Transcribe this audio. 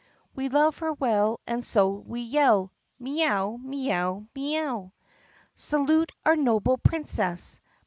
We love her well and so we yell Mee ow! Mee ow! Mee ow! "Salute our noble Princess!